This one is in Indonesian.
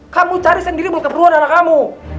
kamu cari sendiri buat keperluan anak kamu